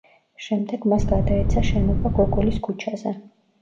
შემდეგ მას გადაეცა შენობა გოგოლის ქუჩაზე.